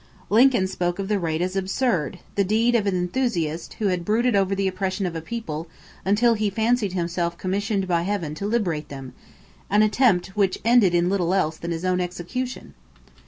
Lincoln spoke of the raid as absurd, the deed of an enthusiast who had brooded over the oppression of a people until he fancied himself commissioned by heaven to liberate them an attempt which ended in "little else than his own execution."